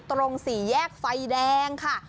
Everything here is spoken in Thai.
ตรงสี่แยกไฟแดงค่ะ